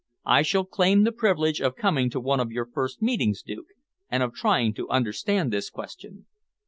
I shall claim the privilege of coming to one of your first meetings, Duke, and of trying to understand this question."